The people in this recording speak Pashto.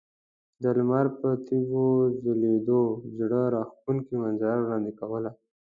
د لمر پر تیږو ځلیدو زړه راښکونکې منظره وړاندې کوله.